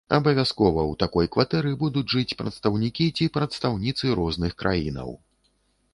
Абавязкова ў такой кватэры будуць жыць прадстаўнікі ці прадстаўніцы розных краінаў.